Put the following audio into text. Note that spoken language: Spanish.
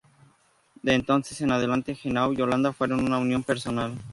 De entonces en adelante Henao y Holanda fueron una unión personal.